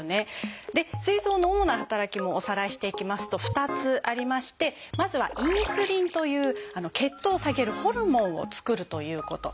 ですい臓の主な働きもおさらいしていきますと２つありましてまずは「インスリン」という血糖を下げるホルモンを作るということ。